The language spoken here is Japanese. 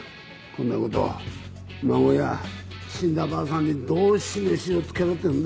こんな事孫や死んだばあさんにどう示しをつけろっていうんだ。